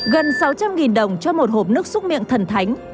gần sáu trăm linh đồng cho một hộp nước xúc miệng thần thánh